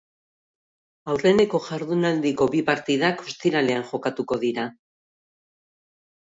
Aurreneko jardunaldiko bi partidak ostiralean jokatuko dira.